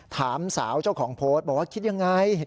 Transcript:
ถามสาวเจ้าของโพสต์บอกว่าคิดยังไง